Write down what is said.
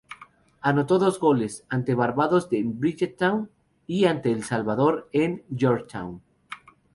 Anotó dos goles: ante Barbados en Bridgetown y ante El Salvador en Georgetown.